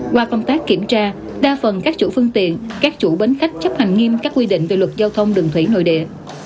qua công tác kiểm tra đa phần các chủ phương tiện các chủ bến khách chấp hành nghiêm các quy định về luật giao thông đường thủy nội địa